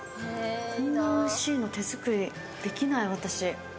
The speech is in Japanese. こんなおいしいの手作りできない、私。